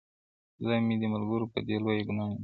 خدای مي دي ملګرو په دې لویه ګناه نه نیسي -